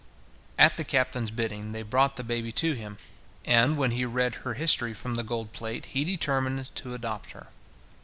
At the captain's bidding they brought the baby to him, and when he read her history from the gold plate, he determined to adopt her.